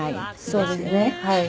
そうですねはい。